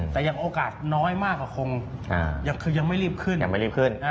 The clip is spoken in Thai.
แต่ยังโอกาสน้อยมากว่าคงยังไม่รีบขึ้น